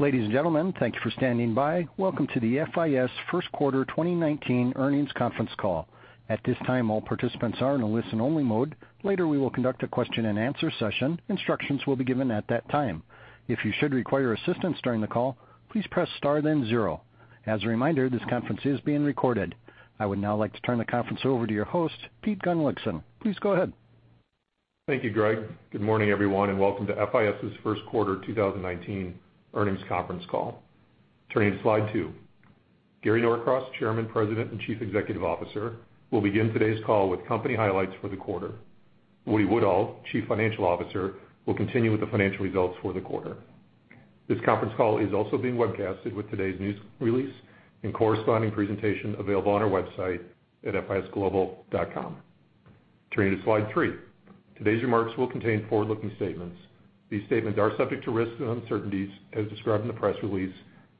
Ladies and gentlemen, thank you for standing by. Welcome to the FIS first quarter 2019 earnings conference call. At this time, all participants are in a listen-only mode. Later, we will conduct a question-and-answer session. Instructions will be given at that time. If you should require assistance during the call, please press star then zero. As a reminder, this conference is being recorded. I would now like to turn the conference over to your host, Pete Gunnlaugsson. Please go ahead. Thank you, Greg. Good morning, everyone, welcome to FIS' first quarter 2019 earnings conference call. Turning to slide two. Gary Norcross, Chairman, President, and Chief Executive Officer, will begin today's call with company highlights for the quarter. Woody Woodall, Chief Financial Officer, will continue with the financial results for the quarter. This conference call is also being webcasted with today's news release and corresponding presentation available on our website at fisglobal.com. Turning to slide three. Today's remarks will contain forward-looking statements. These statements are subject to risks and uncertainties as described in the press release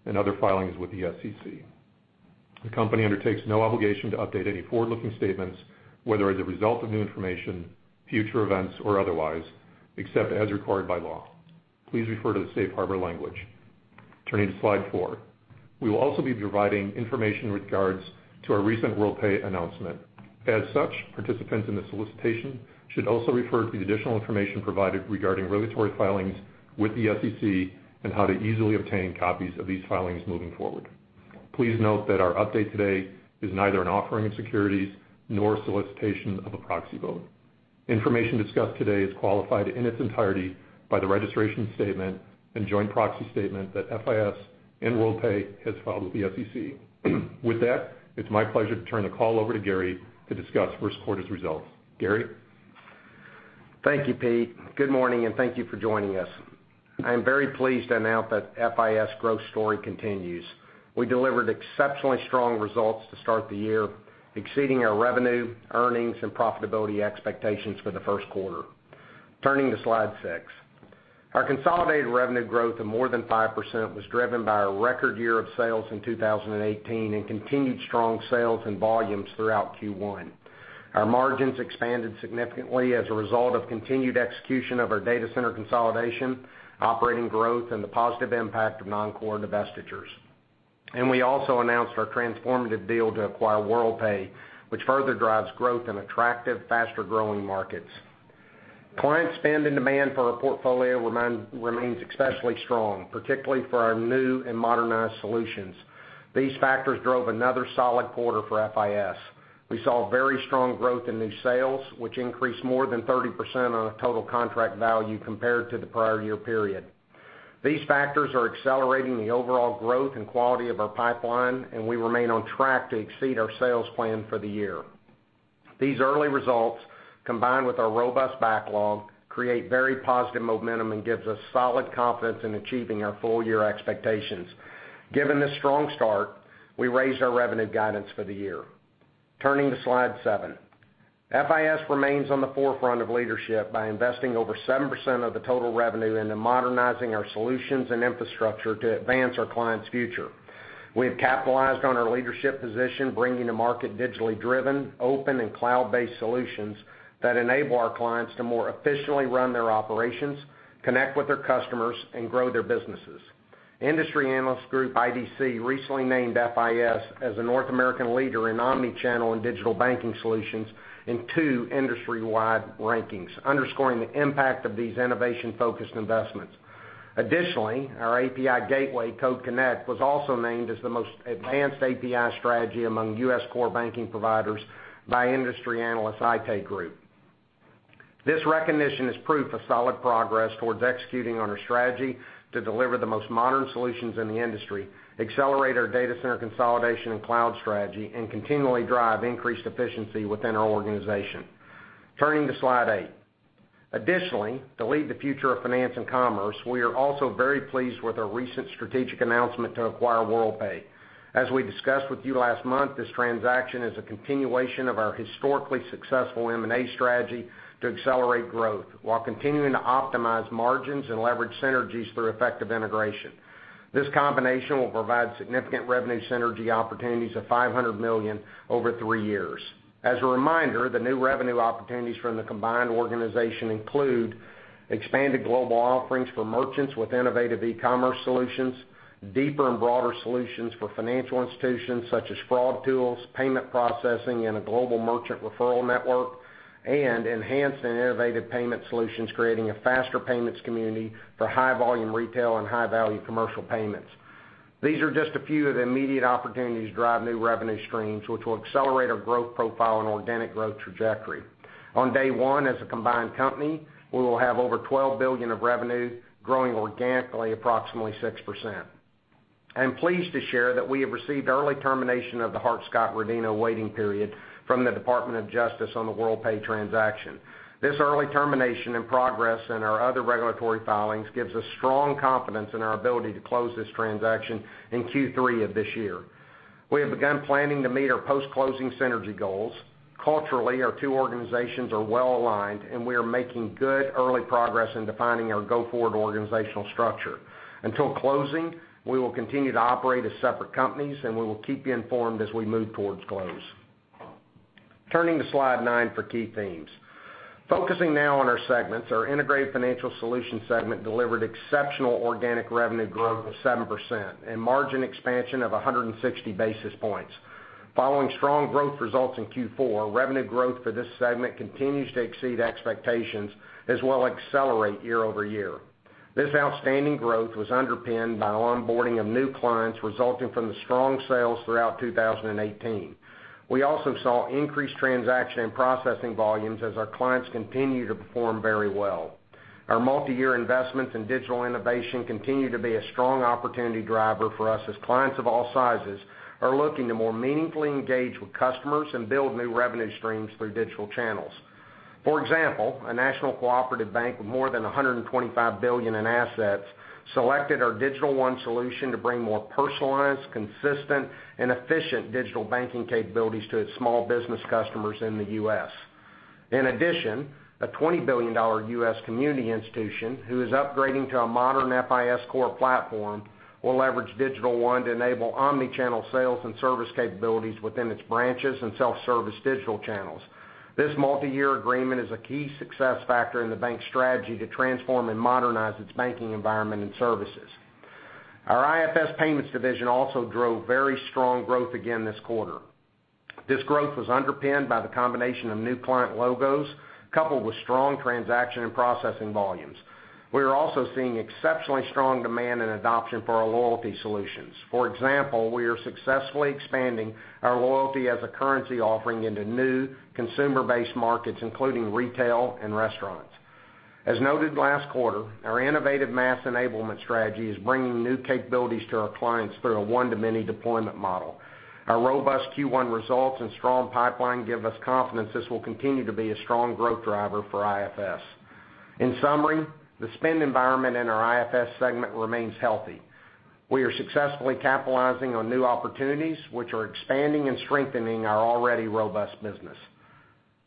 and other filings with the SEC. The company undertakes no obligation to update any forward-looking statements, whether as a result of new information, future events, or otherwise, except as required by law. Please refer to the safe harbor language. Turning to slide four. We will also be providing information with regards to our recent Worldpay announcement. As such, participants in the solicitation should also refer to the additional information provided regarding regulatory filings with the SEC and how to easily obtain copies of these filings moving forward. Please note that our update today is neither an offering of securities nor a solicitation of a proxy vote. Information discussed today is qualified in its entirety by the registration statement and joint proxy statement that FIS and Worldpay has filed with the SEC. With that, it's my pleasure to turn the call over to Gary to discuss first quarter's results. Gary? Thank you, Pete. Good morning, thank you for joining us. I am very pleased to announce that FIS growth story continues. We delivered exceptionally strong results to start the year, exceeding our revenue, earnings, and profitability expectations for the first quarter. Turning to slide six. Our consolidated revenue growth of more than 5% was driven by a record year of sales in 2018 and continued strong sales and volumes throughout Q1. Our margins expanded significantly as a result of continued execution of our data center consolidation, operating growth, and the positive impact of non-core divestitures. We also announced our transformative deal to acquire Worldpay, which further drives growth in attractive, faster-growing markets. Client spend and demand for our portfolio remains especially strong, particularly for our new and modernized solutions. These factors drove another solid quarter for FIS. We saw very strong growth in new sales, which increased more than 30% on a total contract value compared to the prior year period. These factors are accelerating the overall growth and quality of our pipeline, and we remain on track to exceed our sales plan for the year. These early results, combined with our robust backlog, create very positive momentum and gives us solid confidence in achieving our full-year expectations. Given this strong start, we raised our revenue guidance for the year. Turning to slide seven. FIS remains on the forefront of leadership by investing over 7% of the total revenue into modernizing our solutions and infrastructure to advance our clients' future. We have capitalized on our leadership position, bringing to market digitally driven, open, and cloud-based solutions that enable our clients to more efficiently run their operations, connect with their customers, and grow their businesses. Industry analyst group IDC recently named FIS as a North American leader in omni-channel and digital banking solutions in two industry-wide rankings, underscoring the impact of these innovation-focused investments. Additionally, our API gateway, Code Connect, was also named as the most advanced API strategy among U.S. core banking providers by industry analyst Aite Group. This recognition is proof of solid progress towards executing on our strategy to deliver the most modern solutions in the industry, accelerate our data center consolidation and cloud strategy, and continually drive increased efficiency within our organization. Turning to slide eight. Additionally, to lead the future of finance and commerce, we are also very pleased with our recent strategic announcement to acquire Worldpay. As we discussed with you last month, this transaction is a continuation of our historically successful M&A strategy to accelerate growth while continuing to optimize margins and leverage synergies through effective integration. This combination will provide significant revenue synergy opportunities of $500 million over three years. As a reminder, the new revenue opportunities from the combined organization include expanded global offerings for merchants with innovative e-commerce solutions, deeper and broader solutions for financial institutions such as fraud tools, payment processing, and a global merchant referral network, and enhanced and innovative payment solutions creating a faster payments community for high-volume retail and high-value commercial payments. These are just a few of the immediate opportunities to drive new revenue streams, which will accelerate our growth profile and organic growth trajectory. On day one as a combined company, we will have over $12 billion of revenue growing organically approximately 6%. I am pleased to share that we have received early termination of the Hart-Scott-Rodino waiting period from the Department of Justice on the Worldpay transaction. This early termination and progress in our other regulatory filings gives us strong confidence in our ability to close this transaction in Q3 of this year. We have begun planning to meet our post-closing synergy goals. Culturally, our two organizations are well-aligned, and we are making good early progress in defining our go-forward organizational structure. Until closing, we will continue to operate as separate companies, and we will keep you informed as we move towards close. Turning to Slide nine for key themes. Focusing now on our segments, our Integrated Financial Solutions segment delivered exceptional organic revenue growth of 7% and margin expansion of 160 basis points. Following strong growth results in Q4, revenue growth for this segment continues to exceed expectations, as well accelerate year-over-year. This outstanding growth was underpinned by onboarding of new clients resulting from the strong sales throughout 2018. We also saw increased transaction and processing volumes as our clients continue to perform very well. Our multi-year investments in digital innovation continue to be a strong opportunity driver for us, as clients of all sizes are looking to more meaningfully engage with customers and build new revenue streams through digital channels. For example, a national cooperative bank with more than $125 billion in assets selected our Digital One solution to bring more personalized, consistent, and efficient digital banking capabilities to its small business customers in the U.S. In addition, a $20 billion U.S. community institution, who is upgrading to a modern FIS core platform, will leverage Digital One to enable omni-channel sales and service capabilities within its branches and self-service digital channels. This multi-year agreement is a key success factor in the bank's strategy to transform and modernize its banking environment and services. Our IFS Payments division also drove very strong growth again this quarter. This growth was underpinned by the combination of new client logos, coupled with strong transaction and processing volumes. We are also seeing exceptionally strong demand and adoption for our loyalty solutions. For example, we are successfully expanding our loyalty as a currency offering into new consumer-based markets, including retail and restaurants. As noted last quarter, our innovative mass enablement strategy is bringing new capabilities to our clients through a one-to-many deployment model. Our robust Q1 results and strong pipeline give us confidence this will continue to be a strong growth driver for IFS. In summary, the spend environment in our IFS segment remains healthy. We are successfully capitalizing on new opportunities, which are expanding and strengthening our already robust business.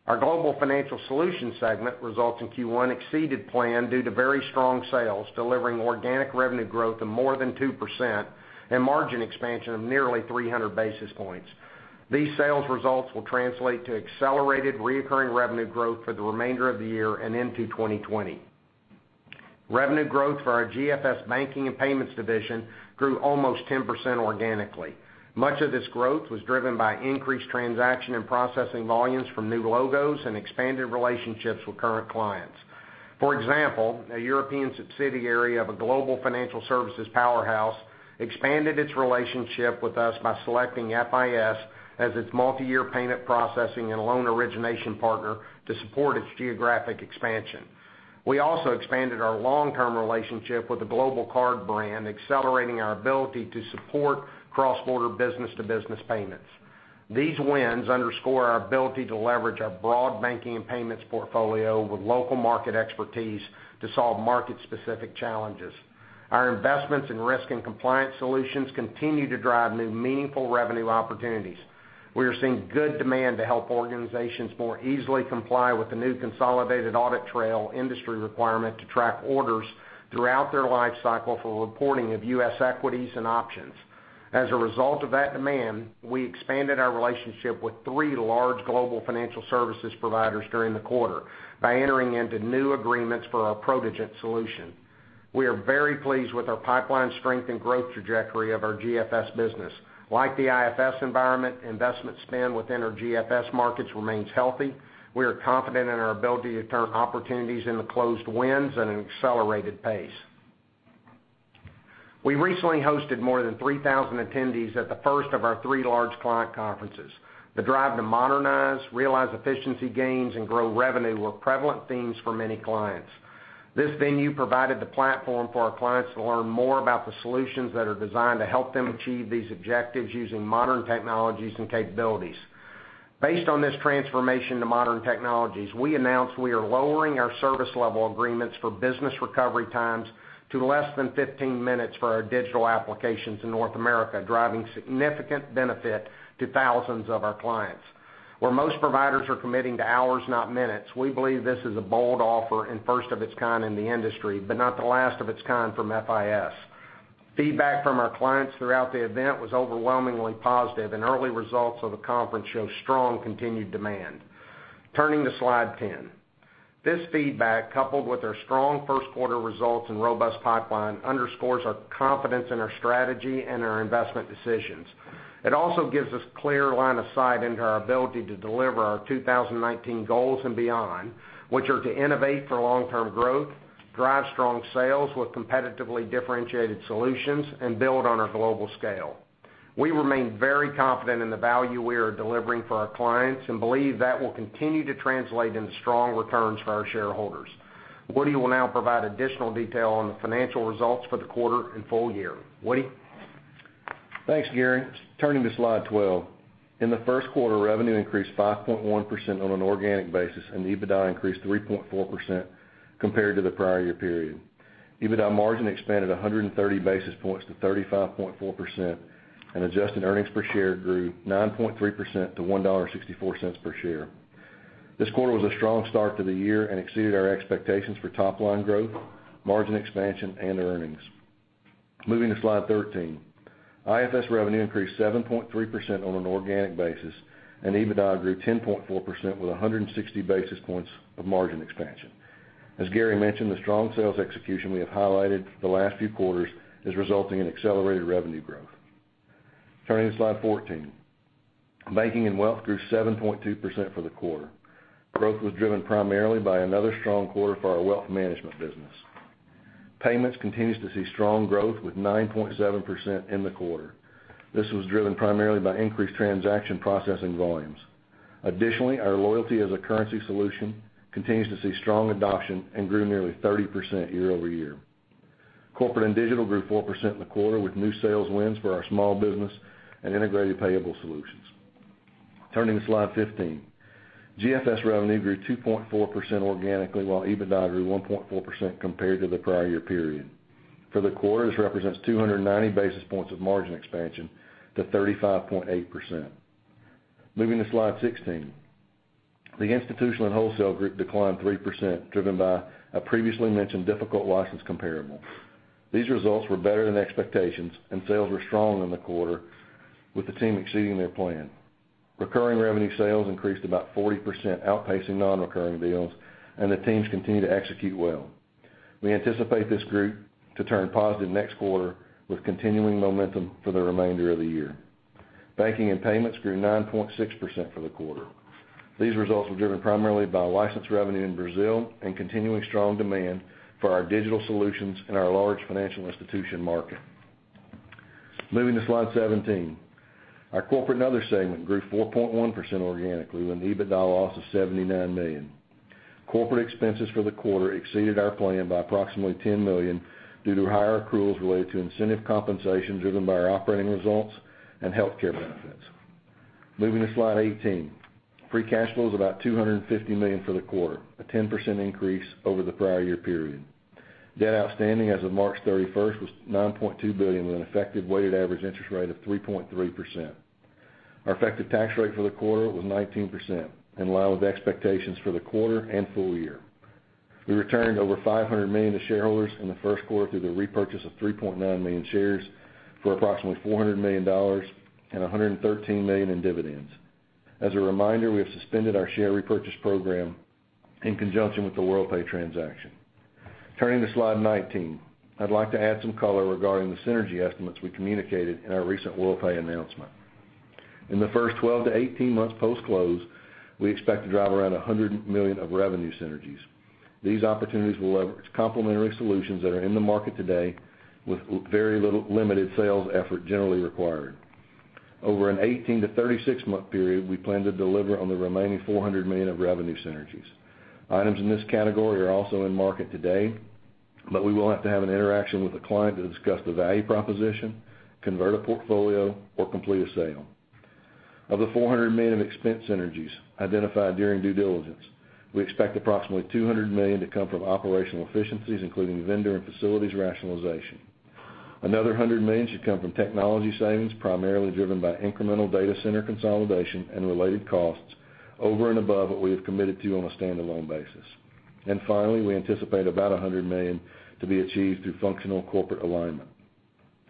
Our Global Financial Solutions segment results in Q1 exceeded plan due to very strong sales, delivering organic revenue growth of more than 2% and margin expansion of nearly 300 basis points. These sales results will translate to accelerated reoccurring revenue growth for the remainder of the year and into 2020. Revenue growth for our GFS banking and payments division grew almost 10% organically. Much of this growth was driven by increased transaction and processing volumes from new logos and expanded relationships with current clients. For example, a European subsidiary of a global financial services powerhouse expanded its relationship with us by selecting FIS as its multi-year payment processing and loan origination partner to support its geographic expansion. We also expanded our long-term relationship with a global card brand, accelerating our ability to support cross-border business-to-business payments. These wins underscore our ability to leverage our broad banking and payments portfolio with local market expertise to solve market-specific challenges. Our investments in risk and compliance solutions continue to drive new meaningful revenue opportunities. We are seeing good demand to help organizations more easily comply with the new Consolidated Audit Trail industry requirement to track orders throughout their life cycle for reporting of U.S. equities and options. As a result of that demand, we expanded our relationship with three large global financial services providers during the quarter by entering into new agreements for our Prodigent solution. We are very pleased with our pipeline strength and growth trajectory of our GFS business. Like the IFS environment, investment spend within our GFS markets remains healthy. We are confident in our ability to turn opportunities into closed wins at an accelerated pace. We recently hosted more than 3,000 attendees at the first of our three large client conferences. The drive to modernize, realize efficiency gains, and grow revenue were prevalent themes for many clients. This venue provided the platform for our clients to learn more about the solutions that are designed to help them achieve these objectives using modern technologies and capabilities. Based on this transformation to modern technologies, we announced we are lowering our Service-Level Agreements for business recovery times to less than 15 minutes for our digital applications in North America, driving significant benefit to thousands of our clients. Where most providers are committing to hours, not minutes, we believe this is a bold offer and first of its kind in the industry, but not the last of its kind from FIS. Feedback from our clients throughout the event was overwhelmingly positive. Early results of the conference show strong continued demand. Turning to Slide 10. This feedback, coupled with our strong first quarter results and robust pipeline, underscores our confidence in our strategy and our investment decisions. It also gives us clear line of sight into our ability to deliver our 2019 goals and beyond, which are to innovate for long-term growth, drive strong sales with competitively differentiated solutions, and build on our global scale. We remain very confident in the value we are delivering for our clients and believe that will continue to translate into strong returns for our shareholders. Woody will now provide additional detail on the financial results for the quarter and full year. Woody? Thanks, Gary. Turning to Slide 12. In the first quarter, revenue increased 5.1% on an organic basis. EBITDA increased 3.4% compared to the prior year period. EBITDA margin expanded 130 basis points to 35.4%. Adjusted earnings per share grew 9.3% to $1.64 per share. This quarter was a strong start to the year and exceeded our expectations for top-line growth, margin expansion, and earnings. Moving to Slide 13. IFS revenue increased 7.3% on an organic basis. EBITDA grew 10.4% with 160 basis points of margin expansion. As Gary mentioned, the strong sales execution we have highlighted the last few quarters is resulting in accelerated revenue growth. Turning to Slide 14. Banking and wealth grew 7.2% for the quarter. Growth was driven primarily by another strong quarter for our wealth management business. Payments continues to see strong growth with 9.7% in the quarter. This was driven primarily by increased transaction processing volumes. Additionally, our loyalty as a currency solution continues to see strong adoption and grew nearly 30% year-over-year. Corporate and digital grew 4% in the quarter with new sales wins for our small business and integrated payable solutions. Turning to Slide 15. GFS revenue grew 2.4% organically, while EBITDA grew 1.4% compared to the prior year period. For the quarter, this represents 290 basis points of margin expansion to 35.8%. Moving to Slide 16. The institutional and wholesale group declined 3%, driven by a previously mentioned difficult license comparable. These results were better than expectations. Sales were strong in the quarter, with the team exceeding their plan. Recurring revenue sales increased about 40%, outpacing non-recurring deals. The teams continue to execute well. We anticipate this group to turn positive next quarter with continuing momentum for the remainder of the year. Banking and payments grew 9.6% for the quarter. These results were driven primarily by license revenue in Brazil and continuing strong demand for our digital solutions in our large financial institution market. Moving to slide 17. Our corporate and other segment grew 4.1% organically with an EBITDA loss of $79 million. Corporate expenses for the quarter exceeded our plan by approximately $10 million due to higher accruals related to incentive compensation driven by our operating results and healthcare benefits. Moving to slide 18. Free cash flow is about $250 million for the quarter, a 10% increase over the prior year period. Debt outstanding as of March 31st was $9.2 billion with an effective weighted average interest rate of 3.3%. Our effective tax rate for the quarter was 19%, in line with expectations for the quarter and full year. We returned over $500 million to shareholders in the first quarter through the repurchase of 3.9 million shares for approximately $400 million and $113 million in dividends. As a reminder, we have suspended our share repurchase program in conjunction with the Worldpay transaction. Turning to slide 19. I'd like to add some color regarding the synergy estimates we communicated in our recent Worldpay announcement. In the first 12 to 18 months post-close, we expect to drive around $100 million of revenue synergies. These opportunities will leverage complementary solutions that are in the market today with very limited sales effort generally required. Over an 18 to 36 month period, we plan to deliver on the remaining $400 million of revenue synergies. Items in this category are also in market today, but we will have to have an interaction with the client to discuss the value proposition, convert a portfolio, or complete a sale. Of the $400 million of expense synergies identified during due diligence, we expect approximately $200 million to come from operational efficiencies, including vendor and facilities rationalization. Another $100 million should come from technology savings, primarily driven by incremental data center consolidation and related costs over and above what we have committed to on a standalone basis. Finally, we anticipate about $100 million to be achieved through functional corporate alignment.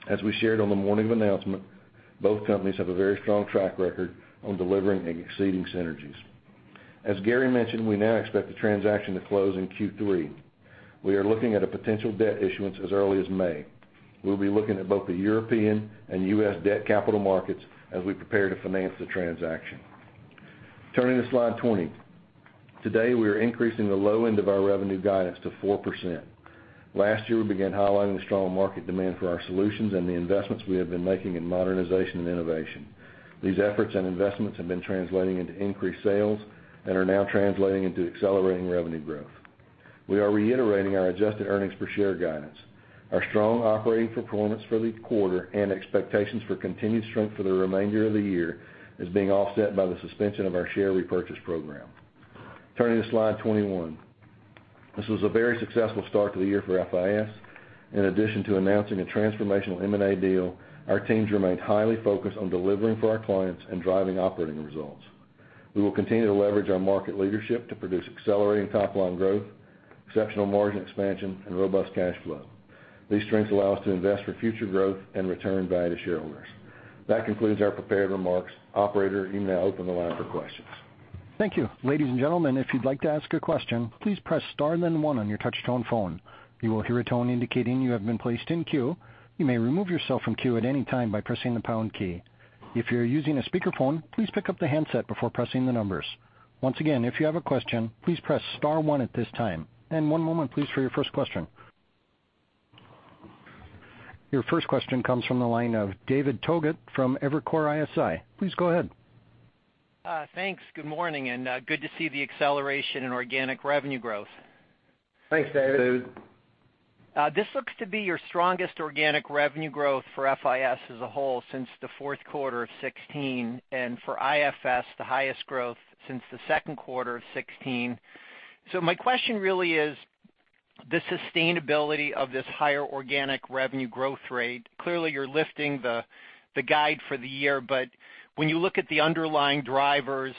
As we shared on the morning of announcement, both companies have a very strong track record on delivering and exceeding synergies. As Gary mentioned, we now expect the transaction to close in Q3. We are looking at a potential debt issuance as early as May. We'll be looking at both the European and U.S. debt capital markets as we prepare to finance the transaction. Turning to slide 20. Today, we are increasing the low end of our revenue guidance to 4%. Last year, we began highlighting the strong market demand for our solutions and the investments we have been making in modernization and innovation. These efforts and investments have been translating into increased sales and are now translating into accelerating revenue growth. We are reiterating our adjusted earnings per share guidance. Our strong operating performance for the quarter and expectations for continued strength for the remainder of the year is being offset by the suspension of our share repurchase program. Turning to slide 21. This was a very successful start to the year for FIS. In addition to announcing a transformational M&A deal, our teams remained highly focused on delivering for our clients and driving operating results. We will continue to leverage our market leadership to produce accelerating top-line growth, exceptional margin expansion, and robust cash flow. These strengths allow us to invest for future growth and return value to shareholders. That concludes our prepared remarks. Operator, you may open the line for questions. Thank you. Ladies and gentlemen, if you'd like to ask a question, please press star then one on your touch-tone phone. You will hear a tone indicating you have been placed in queue. You may remove yourself from queue at any time by pressing the pound key. If you're using a speakerphone, please pick up the handset before pressing the numbers. Once again, if you have a question, please press star one at this time. One moment, please, for your first question. Your first question comes from the line of David Togut from Evercore ISI. Please go ahead. Thanks. Good morning, good to see the acceleration in organic revenue growth. Thanks, David. This looks to be your strongest organic revenue growth for FIS as a whole since the fourth quarter of 2016, and for IFS, the highest growth since the second quarter of 2016. My question really is The sustainability of this higher organic revenue growth rate. Clearly, you're lifting the guide for the year, when you look at the underlying drivers,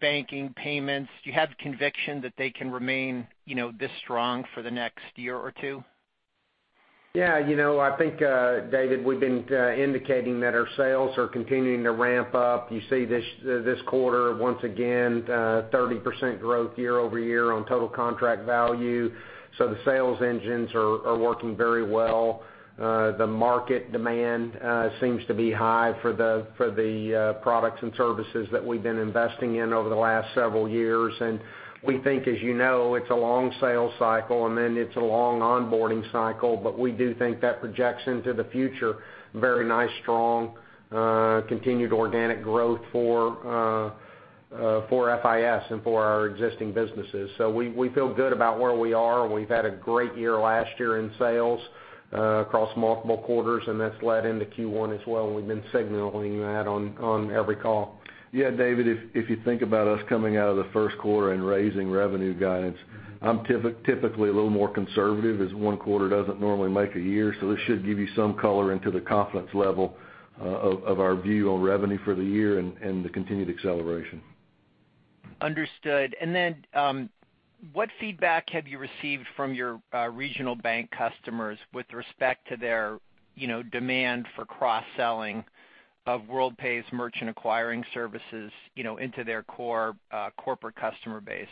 banking, payments, do you have conviction that they can remain this strong for the next year or two? Yeah. David, we've been indicating that our sales are continuing to ramp up. You see this quarter, once again, 30% growth year-over-year on total contract value. The sales engines are working very well. The market demand seems to be high for the products and services that we've been investing in over the last several years. We think, as you know, it's a long sales cycle, and then it's a long onboarding cycle. We do think that projects into the future, very nice, strong, continued organic growth for FIS and for our existing businesses. We feel good about where we are. We've had a great year last year in sales across multiple quarters, and that's led into Q1 as well, and we've been signaling that on every call. Yeah, David, if you think about us coming out of the first quarter and raising revenue guidance, I'm typically a little more conservative as one quarter doesn't normally make a year. This should give you some color into the confidence level of our view on revenue for the year and the continued acceleration. Understood. What feedback have you received from your regional bank customers with respect to their demand for cross-selling of Worldpay's merchant acquiring services into their core corporate customer base?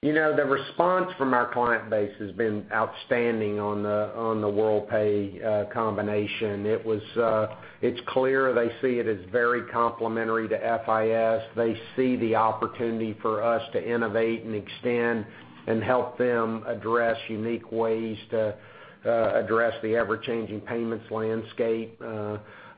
The response from our client base has been outstanding on the Worldpay combination. It's clear they see it as very complementary to FIS. They see the opportunity for us to innovate and extend and help them address unique ways to address the ever-changing payments landscape.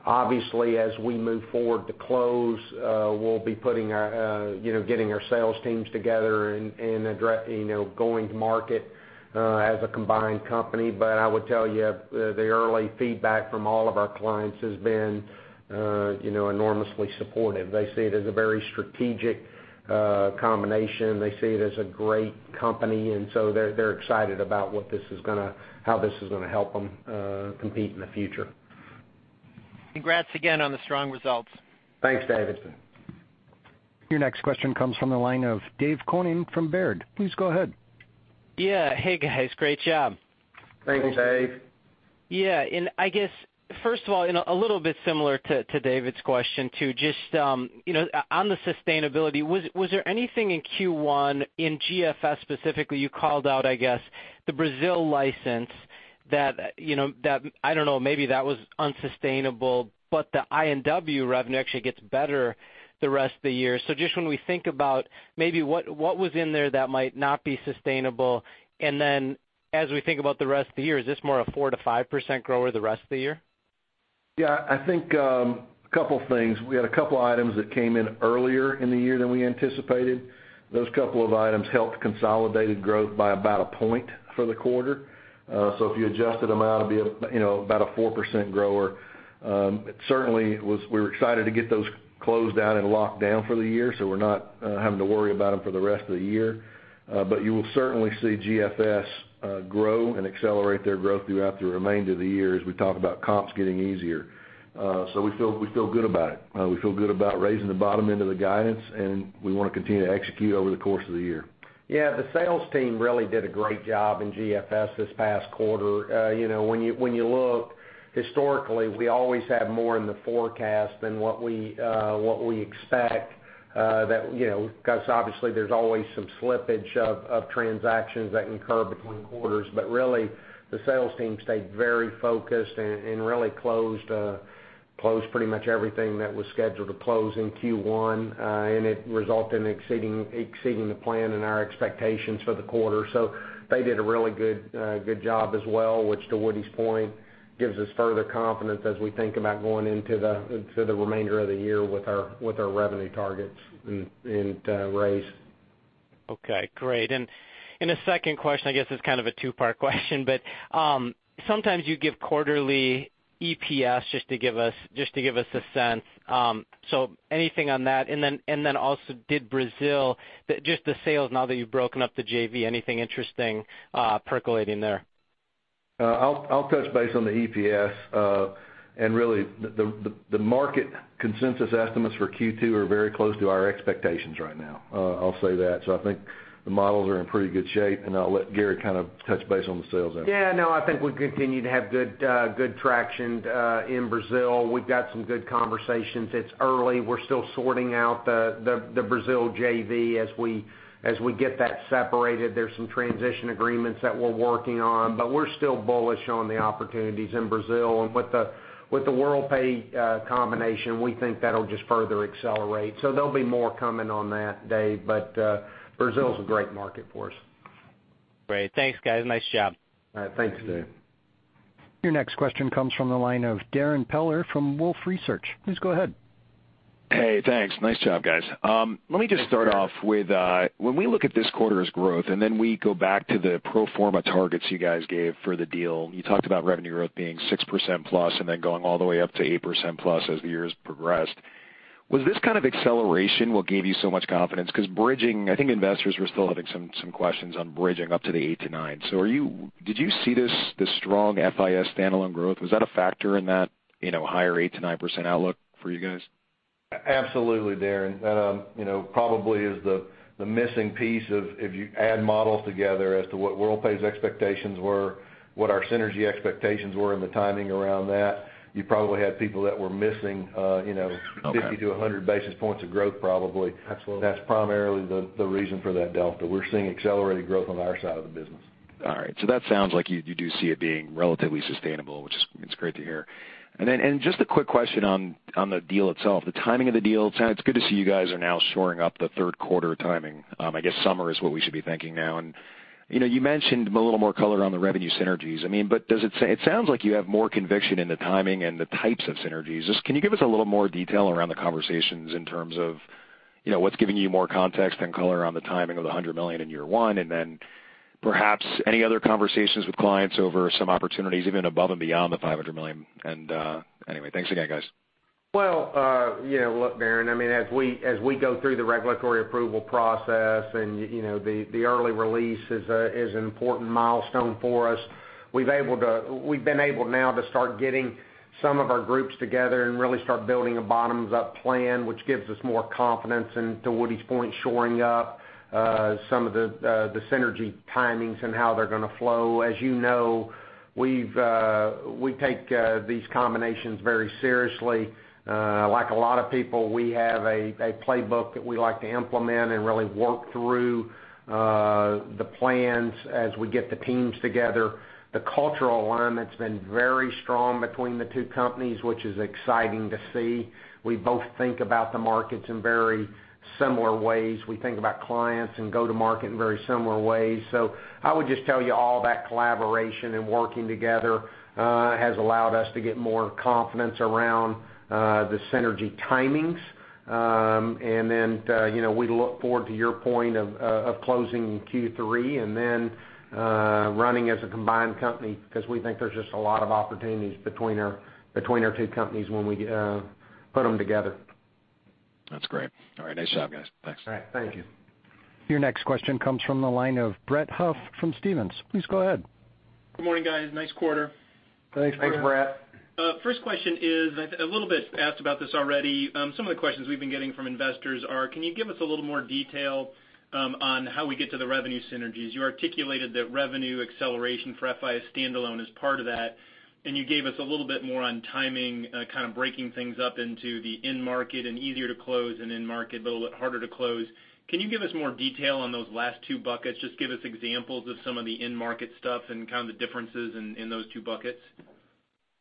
Obviously, as we move forward to close, we'll be getting our sales teams together and going to market as a combined company. I would tell you, the early feedback from all of our clients has been enormously supportive. They see it as a very strategic combination. They see it as a great company, they're excited about how this is going to help them compete in the future. Congrats again on the strong results. Thanks, David. Your next question comes from the line of Dave Koning from Baird. Please go ahead. Yeah. Hey, guys. Great job. Thanks, Dave. I guess, first of all, a little bit similar to David's question, too. Just on the sustainability, was there anything in Q1, in GFS specifically, you called out, I guess, the Brazil license that I don't know, maybe that was unsustainable, but the I&W revenue actually gets better the rest of the year. Just when we think about maybe what was in there that might not be sustainable, and then as we think about the rest of the year, is this more a 4% to 5% grower the rest of the year? Yeah, I think, a couple things. We had a couple items that came in earlier in the year than we anticipated. Those couple of items helped consolidated growth by about a point for the quarter. If you adjusted them out, it'd be about a 4% grower. Certainly, we were excited to get those closed out and locked down for the year, so we're not having to worry about them for the rest of the year. You will certainly see GFS grow and accelerate their growth throughout the remainder of the year as we talk about comps getting easier. We feel good about it. We feel good about raising the bottom end of the guidance, and we want to continue to execute over the course of the year. Yeah, the sales team really did a great job in GFS this past quarter. When you look historically, we always have more in the forecast than what we expect because obviously, there's always some slippage of transactions that can occur between quarters. Really, the sales team stayed very focused and really closed pretty much everything that was scheduled to close in Q1, and it resulted in exceeding the plan and our expectations for the quarter. They did a really good job as well, which to Woody's point, gives us further confidence as we think about going into the remainder of the year with our revenue targets and to raise. Okay, great. A second question, I guess it's kind of a two-part question, sometimes you give quarterly EPS just to give us a sense. Anything on that? Also, did Brazil just the sales now that you've broken up the JV, anything interesting percolating there? I'll touch base on the EPS. Really, the market consensus estimates for Q2 are very close to our expectations right now. I'll say that. I think the models are in pretty good shape, and I'll let Gary touch base on the sales end. Yeah, no. I think we continue to have good traction in Brazil. We've got some good conversations. It's early. We're still sorting out the Brazil JV as we get that separated. There's some transition agreements that we're working on. We're still bullish on the opportunities in Brazil. With the Worldpay combination, we think that'll just further accelerate. There'll be more coming on that, Dave. Brazil's a great market for us. Great. Thanks, guys. Nice job. All right. Thanks, Dave. Your next question comes from the line of Darrin Peller from Wolfe Research. Please go ahead. Hey, thanks. Nice job, guys. Thanks, Darrin. Let me just start off with, when we look at this quarter's growth, and then we go back to the pro forma targets you guys gave for the deal, you talked about revenue growth being 6%+ and then going all the way up to 8%+ as the years progressed. Was this kind of acceleration what gave you so much confidence? Bridging, I think investors were still having some questions on bridging up to the 8%-9%. Did you see this, the strong FIS standalone growth? Was that a factor in that higher 8%-9% outlook for you guys? Absolutely, Darrin. That probably is the missing piece of, if you add models together as to what Worldpay's expectations were, what our synergy expectations were, and the timing around that, you probably had people that were missing- Okay 50-100 basis points of growth, probably. Absolutely. That's primarily the reason for that delta. We're seeing accelerated growth on our side of the business. All right. That sounds like you do see it being relatively sustainable, which is great to hear. Just a quick question on the deal itself, the timing of the deal. It's good to see you guys are now shoring up the third quarter timing. I guess summer is what we should be thinking now. You mentioned a little more color on the revenue synergies. It sounds like you have more conviction in the timing and the types of synergies. Just, can you give us a little more detail around the conversations in terms of what's giving you more context and color on the timing of the $100 million in year one, and then perhaps any other conversations with clients over some opportunities, even above and beyond the $500 million? Anyway, thanks again, guys. Well, look, Darrin, as we go through the regulatory approval process and the early release is an important milestone for us. We've been able now to start getting some of our groups together and really start building a bottoms-up plan, which gives us more confidence, and to Woody's point, shoring up some of the synergy timings and how they're going to flow. As you know, we take these combinations very seriously. Like a lot of people, we have a playbook that we like to implement and really work through the plans as we get the teams together. The cultural alignment's been very strong between the two companies, which is exciting to see. We both think about the markets in very similar ways. We think about clients and go to market in very similar ways. I would just tell you all that collaboration and working together has allowed us to get more confidence around the synergy timings. We look forward to your point of closing in Q3 and then running as a combined company because we think there's just a lot of opportunities between our two companies when we put them together. That's great. All right. Nice job, guys. Thanks. All right. Thank you. Your next question comes from the line of Brett Huff from Stephens. Please go ahead. Good morning, guys. Nice quarter. Thanks, Brett. Thanks, Brett. First question is, a little bit asked about this already. Some of the questions we've been getting from investors are, can you give us a little more detail on how we get to the revenue synergies? You articulated that revenue acceleration for FIS standalone is part of that, and you gave us a little bit more on timing, kind of breaking things up into the in-market and easier to close and in-market but a little harder to close. Can you give us more detail on those last two buckets? Just give us examples of some of the in-market stuff and kind of the differences in those two buckets.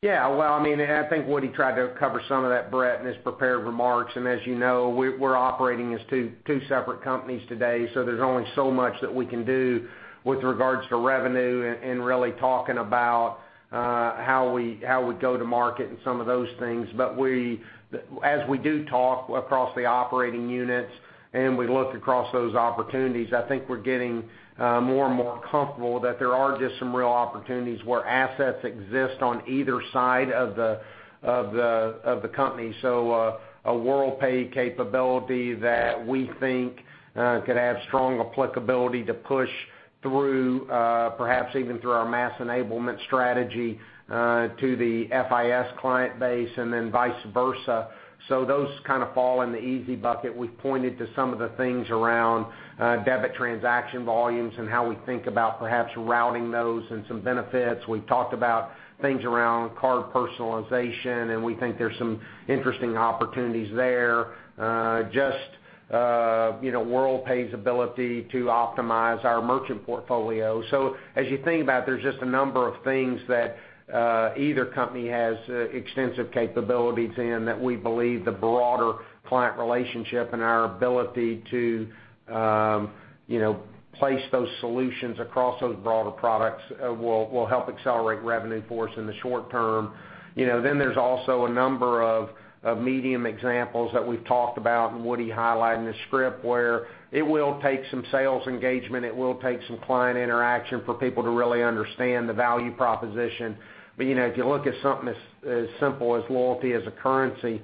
Yeah. Well, I think Woody tried to cover some of that, Brett, in his prepared remarks. As you know, we're operating as two separate companies today, so there's only so much that we can do with regards to revenue and really talking about how we go to market and some of those things. As we do talk across the operating units and we look across those opportunities, I think we're getting more and more comfortable that there are just some real opportunities where assets exist on either side of the company. A Worldpay capability that we think could have strong applicability to push perhaps even through our mass enablement strategy, to the FIS client base and then vice versa. Those kind of fall in the easy bucket. We've pointed to some of the things around debit transaction volumes and how we think about perhaps routing those and some benefits. We've talked about things around card personalization, and we think there's some interesting opportunities there. Just Worldpay's ability to optimize our merchant portfolio. As you think about it, there's just a number of things that either company has extensive capabilities in that we believe the broader client relationship and our ability to place those solutions across those broader products will help accelerate revenue for us in the short term. There's also a number of medium examples that we've talked about, and Woody highlighted in the script, where it will take some sales engagement, it will take some client interaction for people to really understand the value proposition. If you look at something as simple as loyalty as a currency,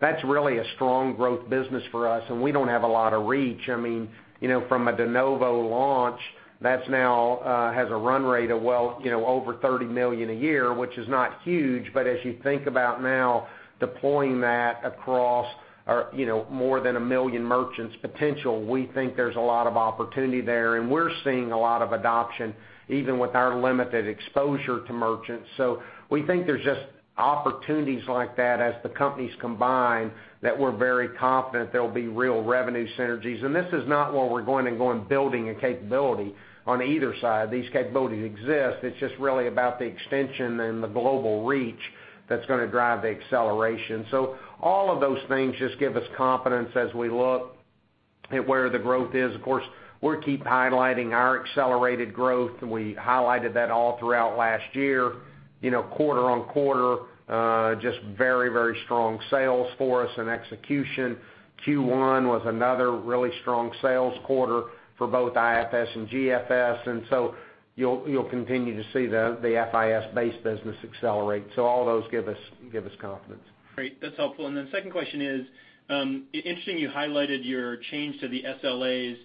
that's really a strong growth business for us, and we don't have a lot of reach. From a de novo launch, that now has a run rate of well over $30 million a year, which is not huge, but as you think about now deploying that across more than 1 million merchants potential, we think there's a lot of opportunity there. We're seeing a lot of adoption even with our limited exposure to merchants. We think there's just opportunities like that as the companies combine that we're very confident there'll be real revenue synergies. This is not where we're going building a capability on either side. These capabilities exist. It's just really about the extension and the global reach that's going to drive the acceleration. All of those things just give us confidence as we look at where the growth is. Of course, we keep highlighting our accelerated growth, and we highlighted that all throughout last year. Quarter-on-quarter, just very strong sales for us and execution. Q1 was another really strong sales quarter for both IFS and GFS. You'll continue to see the FIS-based business accelerate. All those give us confidence. Great. That's helpful. Then second question is, interesting you highlighted your change to the SLAs.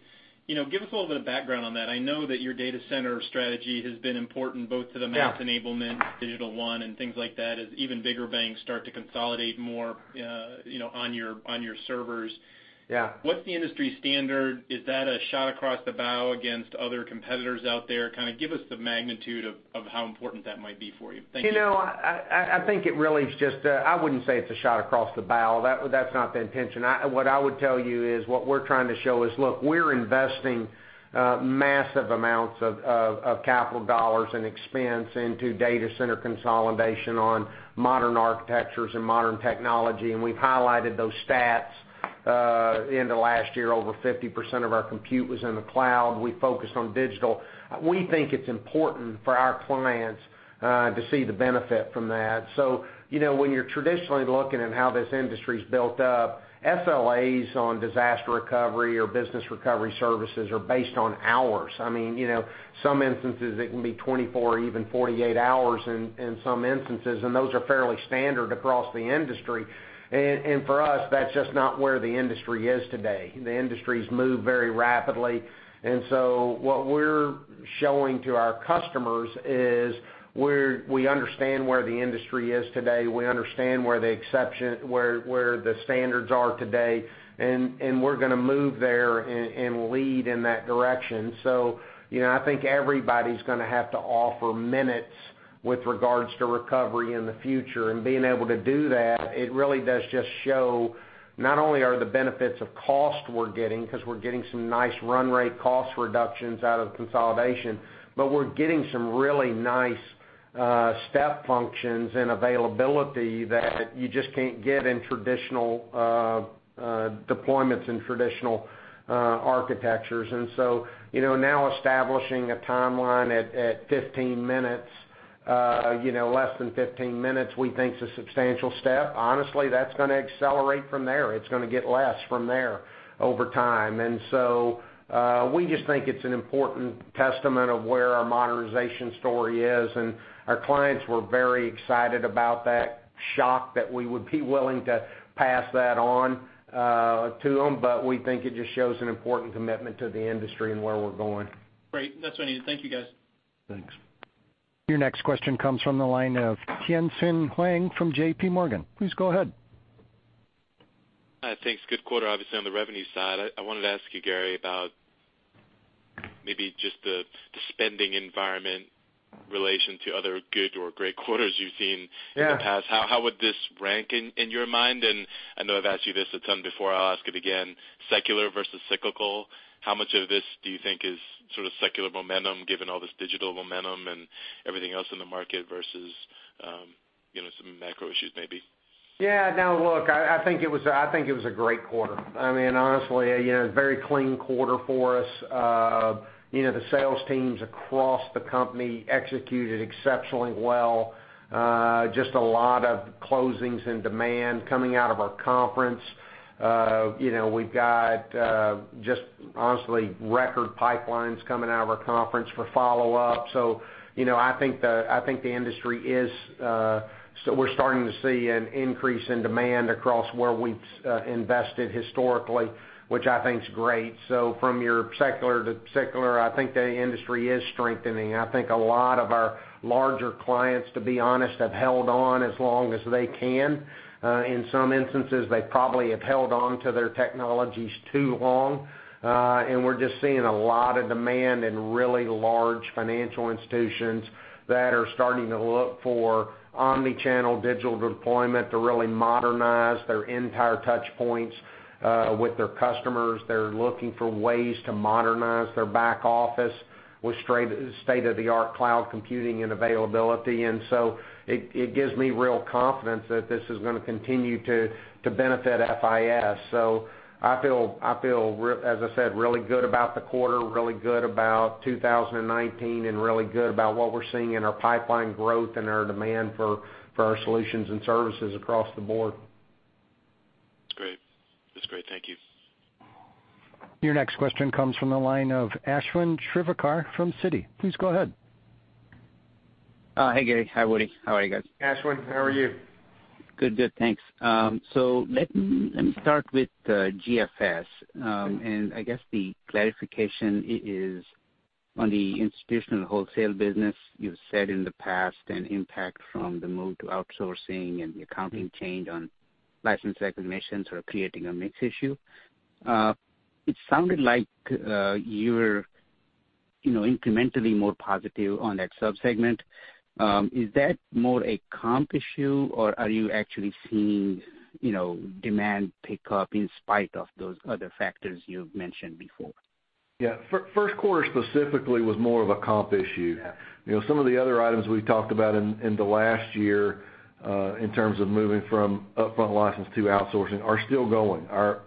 Give us a little bit of background on that. I know that your data center strategy has been important both to the- Yeah mass enablement, Digital One, and things like that, as even bigger banks start to consolidate more on your servers. Yeah. What's the industry standard? Is that a shot across the bow against other competitors out there? Kind of give us the magnitude of how important that might be for you. Thank you. I wouldn't say it's a shot across the bow. That's not the intention. What I would tell you is, what we're trying to show is, look, we're investing massive amounts of capital dollars and expense into data center consolidation on modern architectures and modern technology. We've highlighted those stats. Into last year, over 50% of our compute was in the cloud. We focused on digital. We think it's important for our clients to see the benefit from that. When you're traditionally looking at how this industry's built up, SLAs on disaster recovery or business recovery services are based on hours. Some instances, it can be 24, even 48 hours in some instances. Those are fairly standard across the industry. For us, that's just not where the industry is today. The industry's moved very rapidly. What we're showing to our customers is we understand where the industry is today, we understand where the standards are today, and we're going to move there and lead in that direction. I think everybody's going to have to offer minutes with regards to recovery in the future. Being able to do that, it really does just show not only are the benefits of cost we're getting, because we're getting some nice run rate cost reductions out of consolidation, but we're getting some really nice step functions and availability that you just can't get in traditional deployments and traditional architectures. Now establishing a timeline at 15 minutes, less than 15 minutes, we think is a substantial step. Honestly, that's going to accelerate from there. It's going to get less from there over time. We just think it's an important testament of where our modernization story is. Our clients were very excited about that, shocked that we would be willing to pass that on to them. We think it just shows an important commitment to the industry and where we're going. Great. That's what I needed. Thank you, guys. Thanks. Your next question comes from the line of Tien-Tsin Huang from JPMorgan. Please go ahead. Thanks. Good quarter, obviously, on the revenue side. I wanted to ask you, Gary, about maybe just the spending environment relation to other good or great quarters you've seen. Yeah in the past. How would this rank in your mind? I know I've asked you this a ton before, I'll ask it again. Secular versus cyclical, how much of this do you think is sort of secular momentum, given all this digital momentum and everything else in the market versus some macro issues maybe? Yeah. No, look, I think it was a great quarter. Honestly, a very clean quarter for us. The sales teams across the company executed exceptionally well. Just a lot of closings and demand coming out of our conference. We've got just, honestly, record pipelines coming out of our conference for follow-up. We're starting to see an increase in demand across where we've invested historically, which I think is great. From your secular to secular, I think the industry is strengthening. I think a lot of our larger clients, to be honest, have held on as long as they can. In some instances, they probably have held on to their technologies too long. We're just seeing a lot of demand in really large financial institutions that are starting to look for omni-channel digital deployment to really modernize their entire touchpoints, with their customers. They're looking for ways to modernize their back office with state-of-the-art cloud computing and availability. It gives me real confidence that this is going to continue to benefit FIS. I feel, as I said, really good about the quarter, really good about 2019, and really good about what we're seeing in our pipeline growth and our demand for our solutions and services across the board. That's great. Thank you. Your next question comes from the line of Ashwin Shirvaikar from Citi. Please go ahead. Hi, Gary. Hi, Woody. How are you guys? Ashwin, how are you? Good, thanks. Let me start with GFS. Okay. I guess the clarification is on the institutional wholesale business. You've said in the past an impact from the move to outsourcing and the accounting change on license recognition sort of creating a mix issue. It sounded like you're incrementally more positive on that sub-segment. Is that more a comp issue or are you actually seeing demand pick up in spite of those other factors you've mentioned before? Yeah. First quarter specifically was more of a comp issue. Yeah. Some of the other items we've talked about in the last year, in terms of moving from upfront license to outsourcing, are still going. Our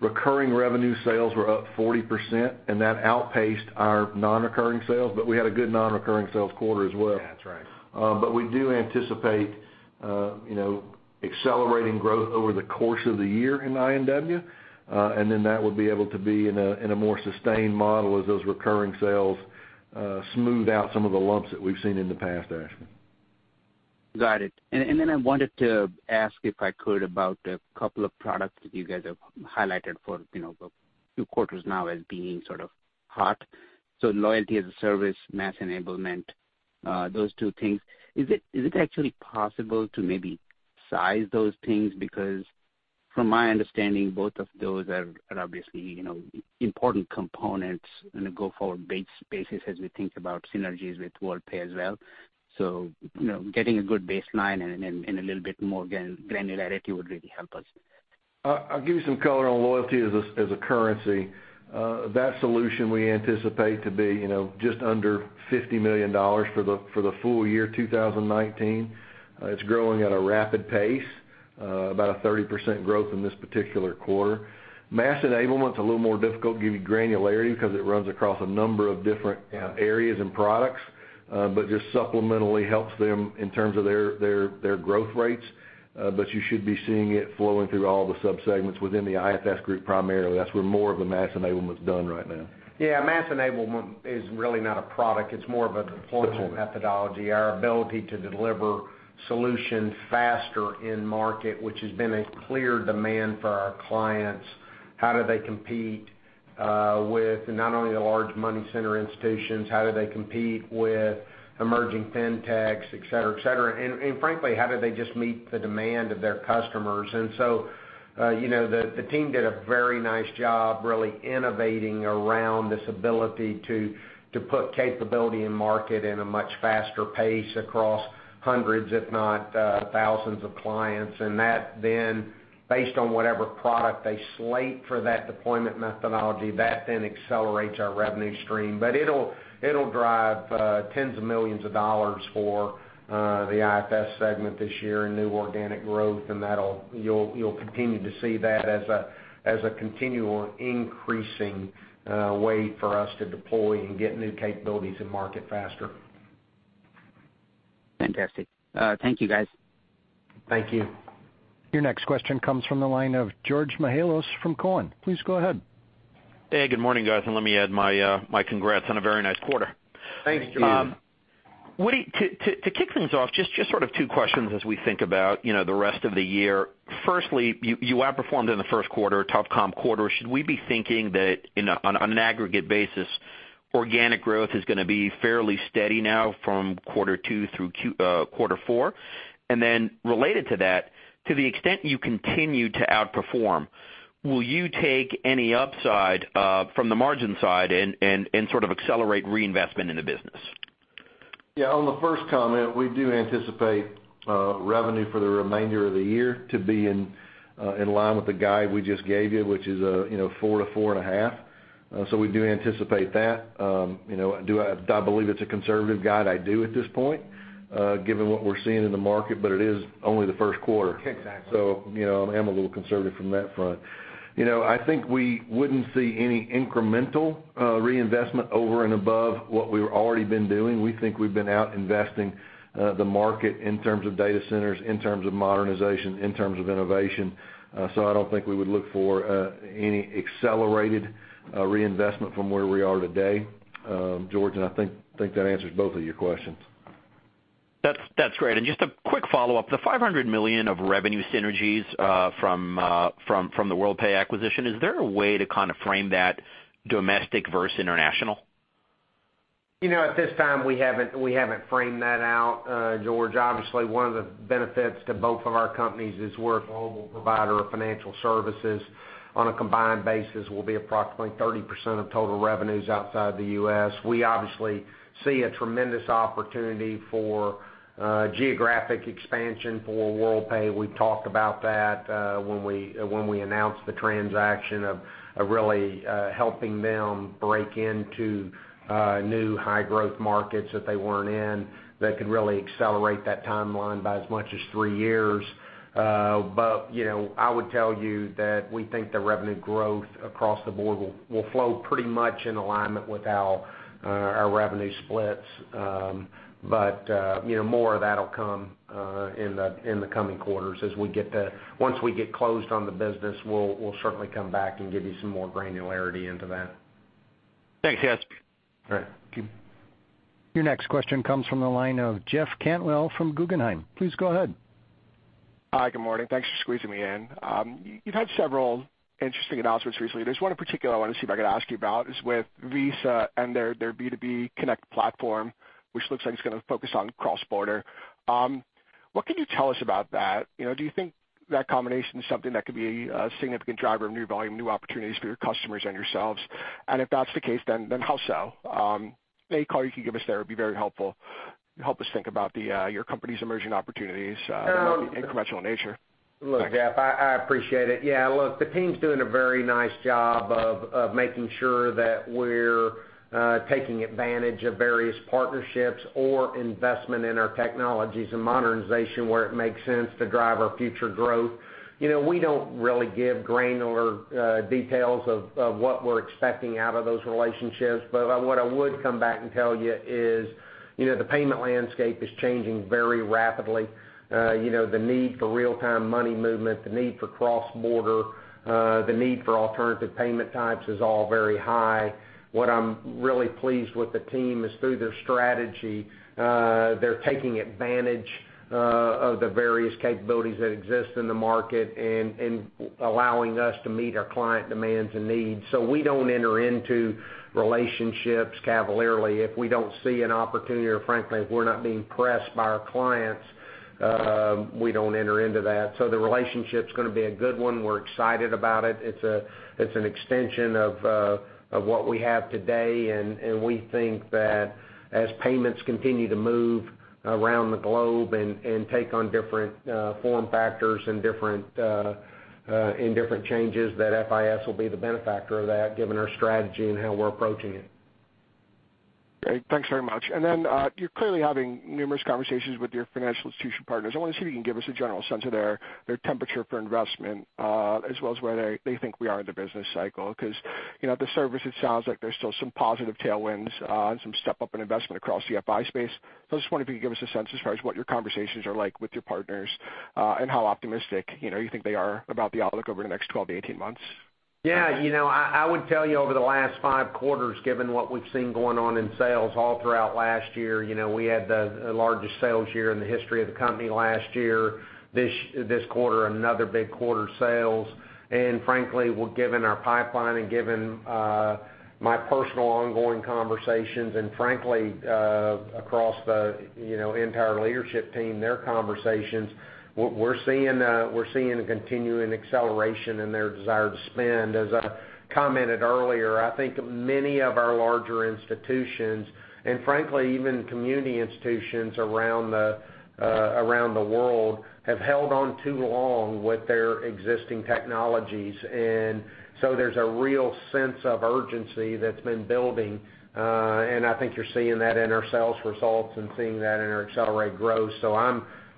recurring revenue sales were up 40%, and that outpaced our non-recurring sales, but we had a good non-recurring sales quarter as well. Yeah, that's right. We do anticipate Accelerating growth over the course of the year in I&W, that would be able to be in a more sustained model as those recurring sales smooth out some of the lumps that we've seen in the past, Ashwin. Got it. I wanted to ask, if I could, about a couple of products that you guys have highlighted for a few quarters now as being hot. Loyalty as a currency, mass enablement, those two things. Is it actually possible to maybe size those things? Because from my understanding, both of those are obviously important components in a go-forward base basis as we think about synergies with Worldpay as well. Getting a good baseline and a little bit more granularity would really help us. I'll give you some color on loyalty as a currency. That solution we anticipate to be just under $50 million for the full year 2019. It's growing at a rapid pace, about a 30% growth in this particular quarter. Mass enablement's a little more difficult to give you granularity because it runs across a number of different areas and products, but just supplementally helps them in terms of their growth rates. You should be seeing it flowing through all the sub-segments within the IFS group primarily. That's where more of the mass enablement's done right now. Yeah, mass enablement is really not a product, it's more of a deployment methodology. Our ability to deliver solutions faster in market, which has been a clear demand for our clients. How do they compete with not only the large money center institutions? How do they compete with emerging fintechs, et cetera, et cetera? Frankly, how do they just meet the demand of their customers? The team did a very nice job really innovating around this ability to put capability in market in a much faster pace across hundreds, if not thousands of clients. That then, based on whatever product they slate for that deployment methodology, that then accelerates our revenue stream. It'll drive tens of millions of dollars for the IFS segment this year in new organic growth, and you'll continue to see that as a continual increasing way for us to deploy and get new capabilities in market faster. Fantastic. Thank you, guys. Thank you. Your next question comes from the line of George Mihalos from Cowen. Please go ahead. Hey, good morning, guys. Let me add my congrats on a very nice quarter. Thank you. Thank you. To kick things off, just two questions as we think about the rest of the year. Firstly, you outperformed in the first quarter, a tough comp quarter. Should we be thinking that on an aggregate basis, organic growth is going to be fairly steady now from quarter two through quarter four? Then related to that, to the extent you continue to outperform, will you take any upside from the margin side and accelerate reinvestment in the business? Yeah, on the first comment, we do anticipate revenue for the remainder of the year to be in line with the guide we just gave you, which is 4%-4.5%. We do anticipate that. Do I believe it's a conservative guide? I do at this point, given what we're seeing in the market, it is only the first quarter. Exactly. I am a little conservative from that front. I think we wouldn't see any incremental reinvestment over and above what we've already been doing. We think we've been out investing the market in terms of data centers, in terms of modernization, in terms of innovation. I don't think we would look for any accelerated reinvestment from where we are today, George, I think that answers both of your questions. That's great. Just a quick follow-up. The $500 million of revenue synergies from the Worldpay acquisition, is there a way to frame that domestic versus international? At this time, we haven't framed that out, George. Obviously, one of the benefits to both of our companies is we're a global provider of financial services. On a combined basis, we'll be approximately 30% of total revenues outside the U.S. We obviously see a tremendous opportunity for geographic expansion for Worldpay. We've talked about that when we announced the transaction of really helping them break into new high-growth markets that they weren't in that could really accelerate that timeline by as much as three years. I would tell you that we think the revenue growth across the board will flow pretty much in alignment with our revenue splits. More of that'll come in the coming quarters Once we get closed on the business, we'll certainly come back and give you some more granularity into that. Thanks. Yes. All right, thank you. Your next question comes from the line of Jeff Cantwell from Guggenheim. Please go ahead. Hi, good morning. Thanks for squeezing me in. You've had several interesting announcements recently. There's one in particular I wanted to see if I could ask you about is with Visa and their B2B Connect platform, which looks like it's going to focus on cross-border. What can you tell us about that? Do you think that combination is something that could be a significant driver of new volume, new opportunities for your customers and yourselves? If that's the case, then how so? Any color you could give us there would be very helpful. Help us think about your company's emerging opportunities, incremental nature. Look, Jeff, I appreciate it. Look, the team's doing a very nice job of making sure that we're taking advantage of various partnerships or investment in our technologies and modernization where it makes sense to drive our future growth. We don't really give granular details of what we're expecting out of those relationships. What I would come back and tell you is, the payment landscape is changing very rapidly. The need for real-time money movement, the need for cross-border, the need for alternative payment types is all very high. What I'm really pleased with the team is through their strategy, they're taking advantage of the various capabilities that exist in the market and allowing us to meet our client demands and needs. We don't enter into relationships cavalierly. If we don't see an opportunity or frankly, if we're not being pressed by our clients, we don't enter into that. The relationship's going to be a good one. We're excited about it. It's an extension of what we have today, and we think that as payments continue to move around the globe and take on different form factors and different changes, that FIS will be the benefactor of that given our strategy and how we're approaching it. Great. Thanks very much. You're clearly having numerous conversations with your financial institution partners. I want to see if you can give us a general sense of their temperature for investment, as well as where they think we are in the business cycle. The services sounds like there's still some positive tailwinds, and some step-up in investment across the FI space. I just wonder if you could give us a sense as far as what your conversations are like with your partners, and how optimistic you think they are about the outlook over the next 12 to 18 months. I would tell you over the last five quarters, given what we've seen going on in sales all throughout last year, we had the largest sales year in the history of the company last year. This quarter, another big quarter sales. Frankly, given our pipeline and given my personal ongoing conversations and frankly, across the entire leadership team, their conversations, we're seeing a continuing acceleration in their desire to spend. As I commented earlier, I think many of our larger institutions, and frankly, even community institutions around the world, have held on too long with their existing technologies. There's a real sense of urgency that's been building. I think you're seeing that in our sales results and seeing that in our accelerated growth.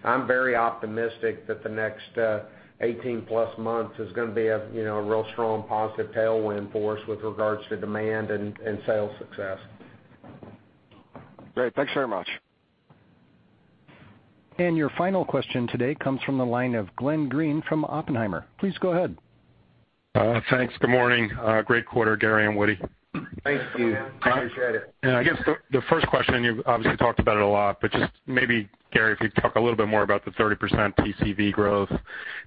I'm very optimistic that the next 18+ months is going to be a real strong positive tailwind for us with regards to demand and sales success. Great. Thanks very much. Your final question today comes from the line of Glenn Greene from Oppenheimer. Please go ahead. Thanks. Good morning. Great quarter, Gary and Woody. Thank you. Appreciate it. I guess the first question, you've obviously talked about it a lot, but just maybe, Gary, if you'd talk a little bit more about the 30% TCV growth,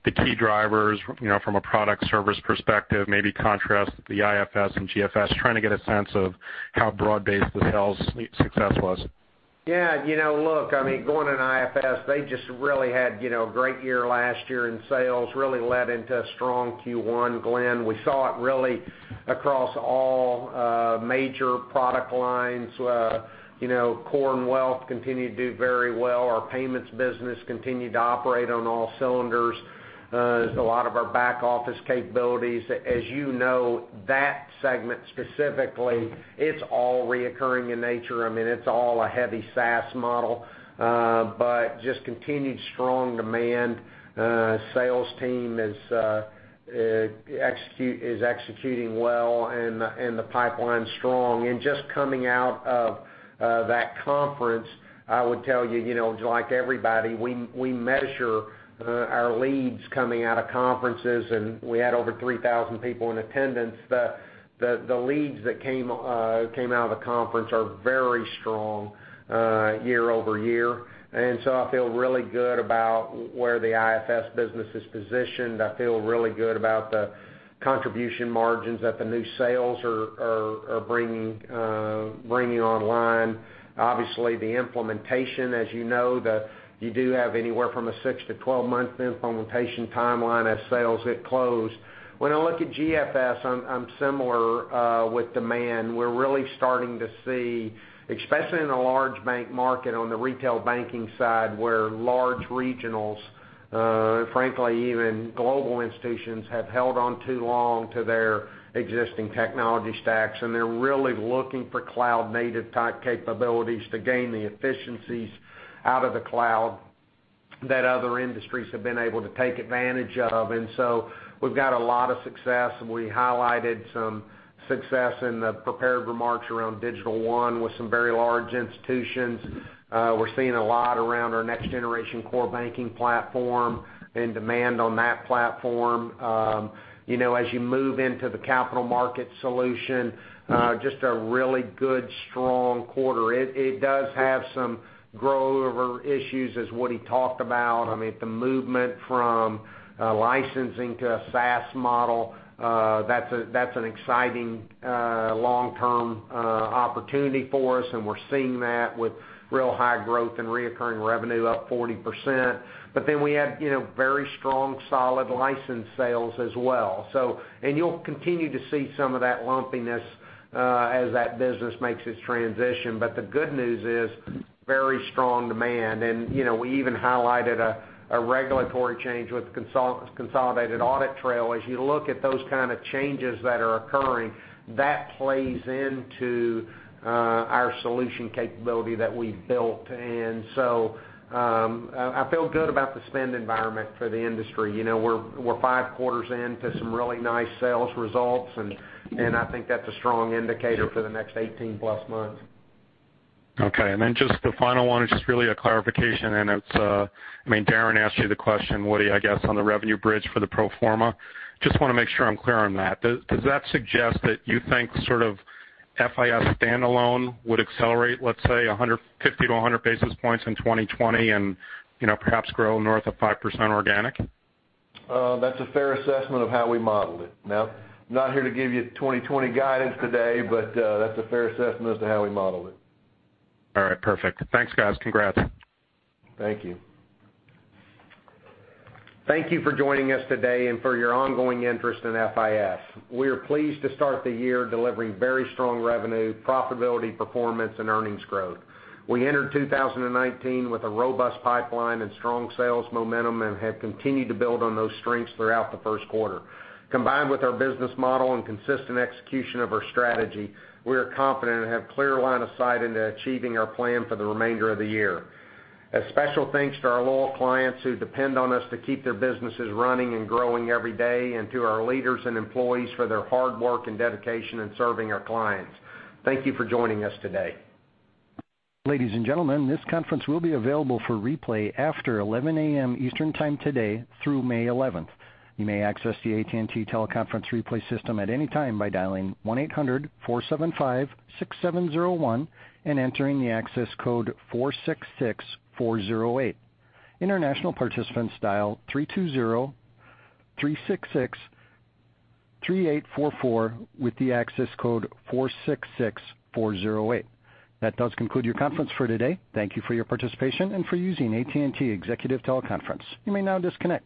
the key drivers from a product service perspective, maybe contrast the IFS and GFS, trying to get a sense of how broad-based the sales success was. Look, I mean, going into IFS, they just really had great year last year in sales, really led into a strong Q1, Glenn. We saw it really across all major product lines. Core and wealth continued to do very well. Our payments business continued to operate on all cylinders. A lot of our back-office capabilities, as you know, that segment specifically, it's all reoccurring in nature. It's all a heavy SaaS model. Just continued strong demand. Sales team is executing well and the pipeline's strong. Just coming out of that conference, I would tell you, like everybody, we measure our leads coming out of conferences, and we had over 3,000 people in attendance. The leads that came out of the conference are very strong year-over-year. So I feel really good about where the IFS business is positioned. I feel really good about the contribution margins that the new sales are bringing online. Obviously, the implementation, as you know, you do have anywhere from a 6 to 12-month implementation timeline as sales hit close. When I look at GFS, I'm similar with demand. We're really starting to see, especially in the large bank market on the retail banking side, where large regionals, frankly, even global institutions, have held on too long to their existing technology stacks, and they're really looking for cloud-native type capabilities to gain the efficiencies out of the cloud that other industries have been able to take advantage of. So we've got a lot of success, and we highlighted some success in the prepared remarks around Digital One with some very large institutions. We're seeing a lot around our next-generation core banking platform and demand on that platform. As you move into the capital market solution, just a really good, strong quarter. It does have some grow-over issues as Woody talked about. The movement from licensing to a SaaS model, that's an exciting long-term opportunity for us, we're seeing that with real high growth in recurring revenue up 40%. We had very strong, solid license sales as well. You'll continue to see some of that lumpiness as that business makes its transition. The good news is very strong demand. We even highlighted a regulatory change with Consolidated Audit Trail. As you look at those kind of changes that are occurring, that plays into our solution capability that we've built. I feel good about the spend environment for the industry. We're five quarters into some really nice sales results, I think that's a strong indicator for the next 18-plus months. Okay. Just the final one is just really a clarification, Darrin asked you the question, Woody, I guess, on the revenue bridge for the pro forma. Just want to make sure I'm clear on that. Does that suggest that you think sort of FIS standalone would accelerate, let's say, 150 to 100 basis points in 2020 and perhaps grow north of 5% organic? That's a fair assessment of how we modeled it. Now, I'm not here to give you 2020 guidance today, that's a fair assessment as to how we modeled it. All right, perfect. Thanks, guys. Congrats. Thank you. Thank you for joining us today and for your ongoing interest in FIS. We are pleased to start the year delivering very strong revenue, profitability performance, and earnings growth. We entered 2019 with a robust pipeline and strong sales momentum and have continued to build on those strengths throughout the first quarter. Combined with our business model and consistent execution of our strategy, we are confident and have clear line of sight into achieving our plan for the remainder of the year. A special thanks to our loyal clients who depend on us to keep their businesses running and growing every day, and to our leaders and employees for their hard work and dedication in serving our clients. Thank you for joining us today. Ladies and gentlemen, this conference will be available for replay after 11:00 A.M. Eastern Time today through May 11. You may access the AT&T teleconference replay system at any time by dialing 1-800-475-6701 and entering the access code 466408. International participants dial 3203663844 with the access code 466408. That does conclude your conference for today. Thank you for your participation and for using AT&T Executive Teleconference. You may now disconnect.